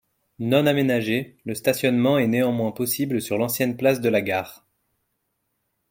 Non aménagé, le stationnement est néanmoins possible sur l'ancienne place de la gare.